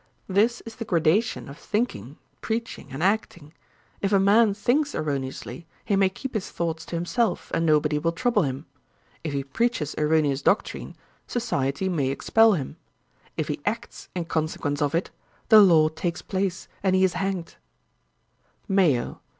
This is the gradation of thinking, preaching, and acting: if a man thinks erroneously, he may keep his thoughts to himself, and nobody will trouble him; if he preaches erroneous doctrine, society may expel him; if he acts in consequence of it, the law takes place, and he is hanged.' MAYO.